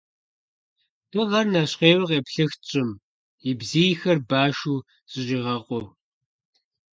Дыгъэр нэщхъейуэ къеплъыхт щӀым и бзийхэр, башу зыщӀигъакъуэу.